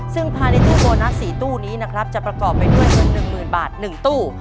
ซึ่งภายในตู้โบนัสสี่ตู้นี้นะครับจะประกอบไปด้วยเงินหนึ่งหมื่นบาทหนึ่งตู้